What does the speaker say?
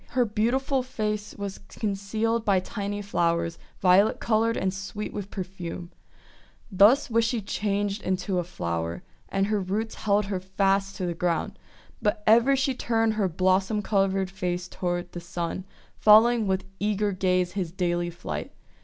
Her beautiful face was concealed by tiny flowers, violet coloured and sweet with perfume. 22 THE WONDER GARDEN Thus was she changed into a flower, and her roots held her fast to the ground; but ever she turned her blossom covered face toward the Sun, following with eager gaze his daily flight.